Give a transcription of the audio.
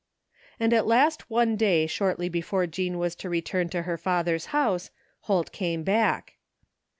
And at last one day shortly before Jean was to re turn to her father's house, Holt came back.